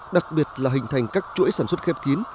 đặc biệt là hình thành các chuỗi sản xuất khép kín